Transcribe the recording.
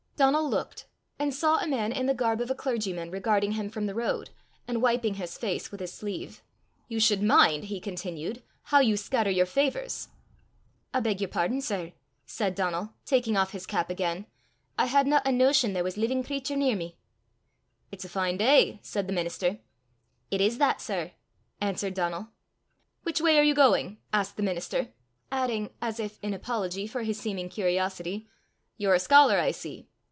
Donal looked, and saw a man in the garb of a clergyman regarding him from the road, and wiping his face with his sleeve. "You should mind," he continued, "how you scatter your favours." "I beg your pardon, sir," said Donal, taking off his cap again; "I hadna a notion there was leevin' cratur near me." "It's a fine day!" said the minister. "It is that, sir!" answered Donal. "Which way are you going?" asked the minister, adding, as if in apology for his seeming curiosity, " You're a scholar, I see!"